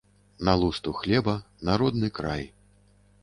На лусту хлеба, на родны край.